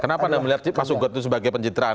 kenapa anda melihat masuk buku itu sebagai pencitraan